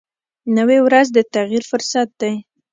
نوې ورځ د تغیر فرصت دی